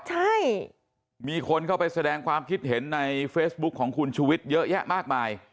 ใช่มีคนเข้าไปแสดงความคิดเห็นในเฟซบุ๊คของคุณชูวิทย์เยอะแยะมากมาย